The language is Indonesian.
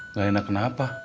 nggak enak kenapa